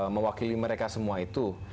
mewakili mereka semua itu